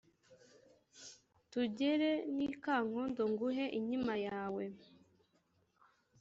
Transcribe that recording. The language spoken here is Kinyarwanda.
tugere n’i kagondo nguhe inkima yawe